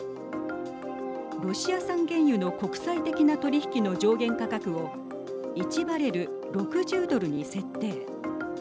ロシア産原油の国際的な取り引きの上限価格を１バレル６０ドルに設定。